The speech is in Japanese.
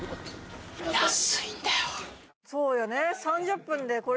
そうよね。